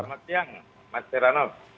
selamat siang mas teranol